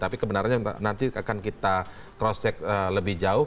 tapi kebenarannya nanti akan kita cross check lebih jauh